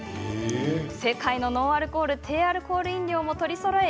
世界のノンアルコール低アルコール飲料も取りそろえ